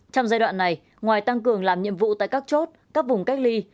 trong giai đoạn này ngoài tăng cường làm nhiệm vụ tại các chốt các vùng cách ly